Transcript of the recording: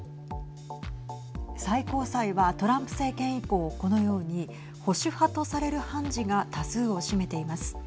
最高裁はトランプ政権以降このように保守派とされる判事が多数を占めています。